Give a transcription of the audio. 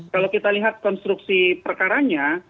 kalau kita lihat konstruksi perkaranya